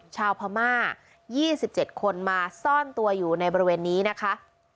ชาวพม่ายี่สิบเจ็ดคนมาซ่อนตัวอยู่ในบริเวณนี้นะคะ